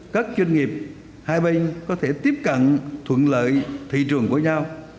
các doanh nghiệp hai bên có thể tiếp cận thuận lợi thị trường của nhau